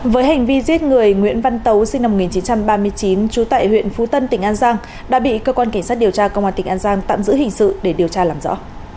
với hành vi giết người nguyễn văn tấu sinh năm một nghìn chín trăm ba mươi chín trú tại huyện phú tân tỉnh an giang đã bị cơ quan cảnh sát điều tra công an tỉnh an giang tạm giữ hình sự để điều tra làm rõ